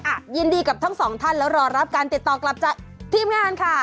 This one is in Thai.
อ่ะยินดีกับทั้งสองท่านแล้วรอรับการติดต่อกลับจากทีมงานค่ะ